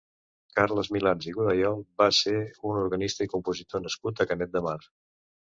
Carles Milans i Godayol va ser un organista i compositor nascut a Canet de Mar.